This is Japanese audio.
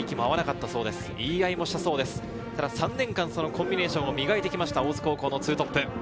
ただ３年間、コンビネーションを磨いてきました、大津高校の２トップ。